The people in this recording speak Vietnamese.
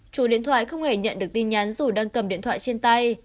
chủ điện thoại không hề nhận được tin nhắn dù đang cầm điện thoại trên tay